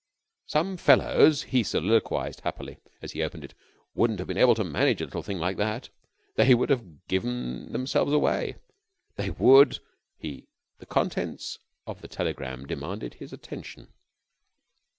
"Some fellows," he soliloquized happily, as he opened it, "wouldn't have been able to manage a little thing like that. They would have given themselves away. They would " The contents of the telegram demanded his attention.